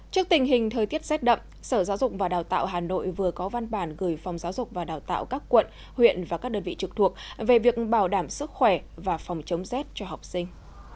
trước tình hình thời tiết rét đậm sở giáo dục và đào tạo hà nội vừa có văn bản gửi phòng giáo dục và đào tạo các quận huyện và các đơn vị trực thuộc về việc bảo đảm sức khỏe và phòng chống rét cho học sinh